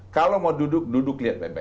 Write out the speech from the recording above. kalau mau duduk duduk